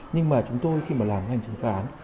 nhưng mà chúng tôi khi mà làm hành trình phá án